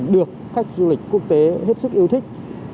được khách du lịch quốc tế hết sức yêu thích